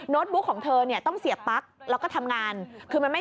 โนชบุ๊คของเธอนี้ต้องเสียบปั๊ก